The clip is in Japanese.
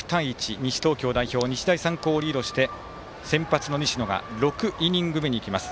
西東京代表、日大三高をリードして先発の西野が６イニング目にいきます。